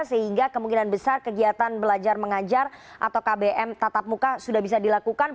sehingga kemungkinan besar kegiatan belajar mengajar atau kbm tatap muka sudah bisa dilakukan